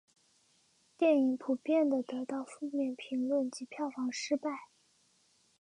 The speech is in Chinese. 电影普遍地得到负面评价及票房失败。